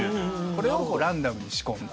これをランダムに仕込んだと。